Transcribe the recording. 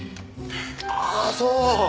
ああそう。